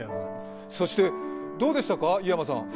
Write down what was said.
そしてどうでしたか、湯山さん？